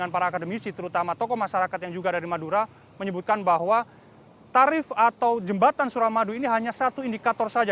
para akademisi terutama tokoh masyarakat yang juga dari madura menyebutkan bahwa tarif atau jembatan suramadu ini hanya satu indikator saja